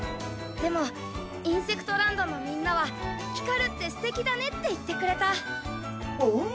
でもインセクトランドのみんなは光るってすてきだねって言ってくれた。